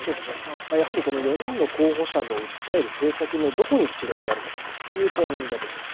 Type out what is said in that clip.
やはりこの４人の候補者の訴える政策のどこに違いがあるのかという点だと思います。